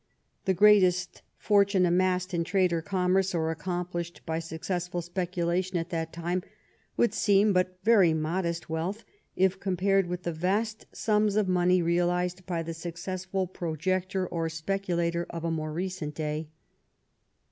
The greatest fortune amassed in trade or commerce, or accomplished by successful apeculation at that time, would seem but very modest wealth if compared with the vast sums of money real ized by the successful projector or speculator of a more recent day.